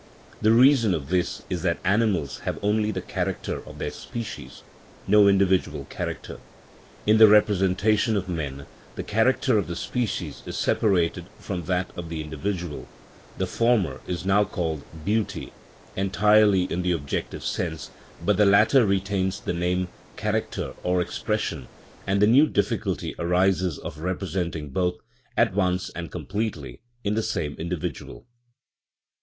The reason of this is that animals have only the character of their species, no individual character. In the representation of men the character of the species is separated from that of the individual; the former is now called beauty (entirely in the objective sense), but the latter retains the name, character, or expression, and the new difficulty arises of representing both, at once and completely, in the same individual.